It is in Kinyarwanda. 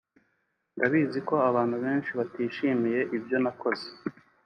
“Ndabizi ko abantu benshi batishimiye ibyo nakoze